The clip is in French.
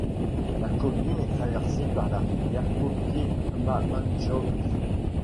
La commune est traversée par la rivière Kokemäenjoki.